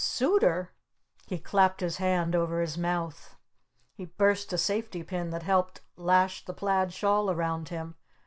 "Suitor?" He clapped his hand over his mouth. He burst a safety pin that helped lash the plaid shawl around him.